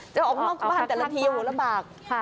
จะออกนอกบ้านแต่ละทีโหระบาก